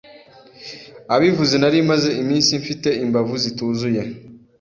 abivuze nari maze iminsi mfite imbavu zituzuye